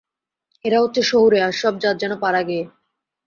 এরা হচ্ছে শহুরে, আর সব জাত যেন পাড়াগেঁয়ে।